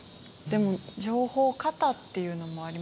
でも情報過多っていうのもありますよね。